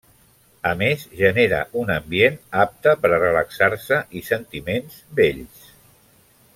A més genera un ambient apte per a relaxar-se i sentiments bells.